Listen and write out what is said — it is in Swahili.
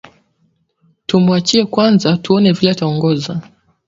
Tumuachie kwanza tuone vile ataongoza